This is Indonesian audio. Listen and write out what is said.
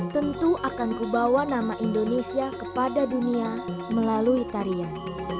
tentu akan kubawa nama indonesia kepada dunia melalui tarian